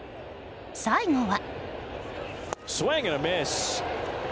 最後は。